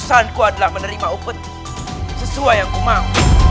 urusan ku adalah menerima upet sesuai yang kumau